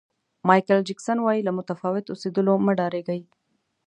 مایکل جکسن وایي له متفاوت اوسېدلو مه ډارېږئ.